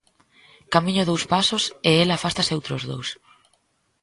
Camiño dous pasos e ela afástase outros dous.